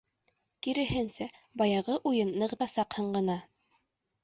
Киреһенсә, баяғы уйын нығытасаҡһың ғына.